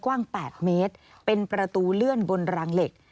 กว้าง๘เมตรเป็นประตูเลื่อนบนรางเหล็ก